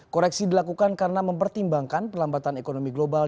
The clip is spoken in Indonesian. koreksi dilakukan karena mempertimbangkan perlambatan ekonomi global